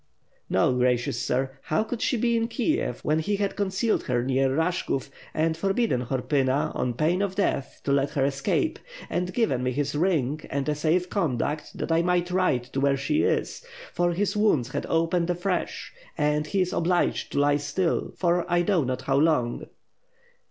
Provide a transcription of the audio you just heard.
"No, gracious sir. How could she be in Kiev, when he WITH FIRE AND SWORD. 635 had concealed her near Rashkov, and forbidden Horpyna, on pain of death, to let her escape; and given me his ring and a safe conduct, that I might ride to where she is; for his wounds had opened afresh and he is obliged to lie still, for I know not how long."